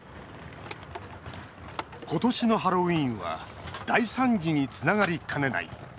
今年のハロウィーンは大惨事につながりかねない。